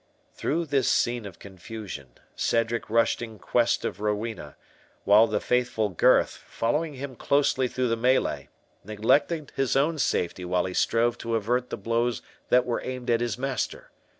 Through this scene of confusion, Cedric rushed in quest of Rowena, while the faithful Gurth, following him closely through the "melee", neglected his own safety while he strove to avert the blows that were aimed at his master.